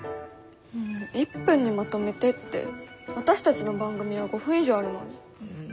１分にまとめてって私たちの番組は５分以上あるのに。